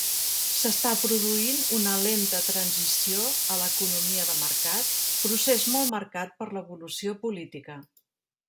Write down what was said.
S'està produint una lenta transició a l'economia de mercat, procés molt marcat per l'evolució política.